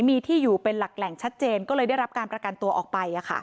มีที่อยู่เป็นหลักแหล่งชัดเจนก็เลยได้รับการประกันตัวออกไป